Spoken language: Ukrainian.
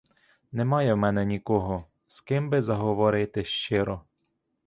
Немає в мене нікого, з ким би заговорити щиро.